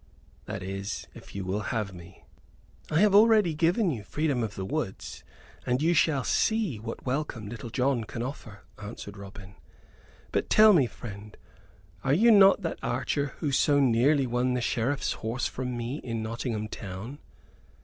That is, if you will have me." "I have already given you freedom of the woods, and you shall see what welcome Little John can offer," answered Robin. "But tell me, friend, are you not that archer who so nearly won the Sheriff's horse from me in Nottingham town?"